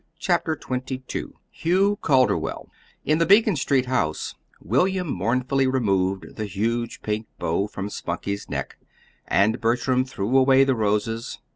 CHAPTER XXII HUGH CALDERWELL In the Beacon Street house William mournfully removed the huge pink bow from Spunkie's neck, and Bertram threw away the roses.